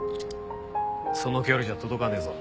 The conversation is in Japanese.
その距離じゃ届かねえぞ。